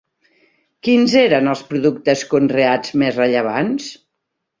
Quins eren els productes conreats més rellevants?